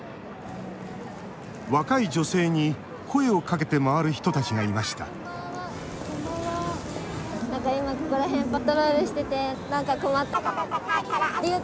若い女性に声をかけて回る人たちがいましたこんばんは。